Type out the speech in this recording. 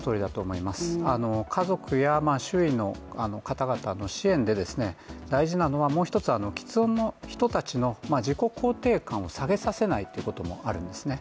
家族や周囲の方々の支援で、大事なのはもうひとつ、きつ音の人たちの自己肯定感を下げさせないということもあるんですね。